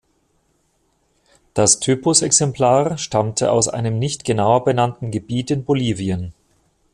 Das Typusexemplar stammte aus einem nicht genauer benannten Gebiet in Bolivien.